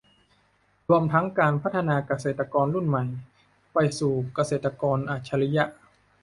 รวมทั้งการพัฒนาเกษตรกรรุ่นใหม่ไปสู่เกษตรกรอัจฉริยะ